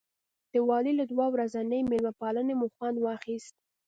د والي له دوه ورځنۍ مېلمه پالنې مو خوند واخیست.